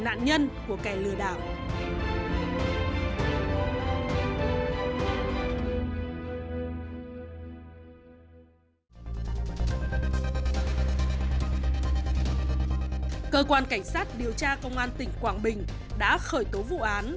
nạn nhân của kẻ lừa đảo cơ quan cảnh sát điều tra công an tỉnh quảng bình đã khởi tố vụ án